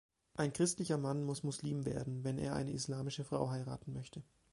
Ein christlicher Mann muss Muslim werden, wenn er eine islamische Frau heiraten möchte.